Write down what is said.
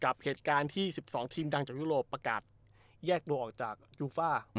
กับเหตุการณ์ที่๑๒ทีมดังจากยุโรปประกาศแยกตัวออกจากยูฟ่า